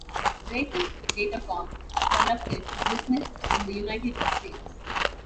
Racal-Datacom conducted business in the United States.